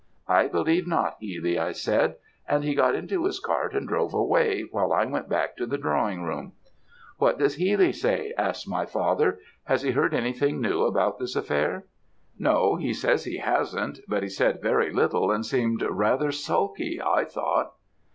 "'I believe not, Healy,' I said; and he got into his cart and drove away while I went back to the drawing room. "'What does Healy say?' asked my father. 'Has he heard anything new about this affair?' "'No, he says he hasn't, but he said very little and seemed rather sulky, I thought.'